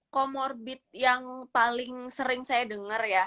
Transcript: comorbid yang paling sering saya dengar ya